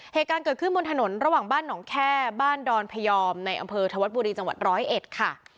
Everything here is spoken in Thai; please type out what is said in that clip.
เหตุการณ์เกิดขึ้นบนถนนระหว่างบ้านหนองแค่บ้านดอนพยอมในอำเภอธวัดบุรีจังหวัดร้อยเอ็ดค่ะ